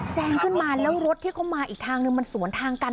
ขึ้นมาแล้วรถที่เขามาอีกทางนึงมันสวนทางกัน